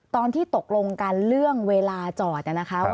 ตอนที่ตกลงกันเรื่องเวลาจอดนะคะ